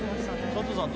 佐藤さん